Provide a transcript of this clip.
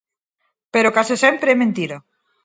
Pero case sempre é mentira.